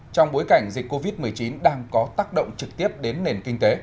trong bối cảnh dịch covid một mươi chín đang có tác động trực tiếp đến nền kinh tế